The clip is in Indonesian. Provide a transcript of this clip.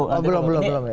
oh belum belum